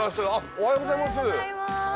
おはようございます。